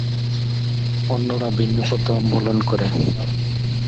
অন্যান্যরা ভিন্ন পন্থা অবলম্বন করে।